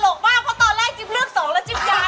กมากเพราะตอนแรกจิ๊บเลือกสองแล้วจิ๊บยาว